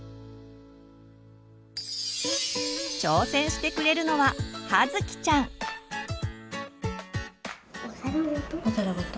挑戦してくれるのは葉月ちゃん！お皿ごと？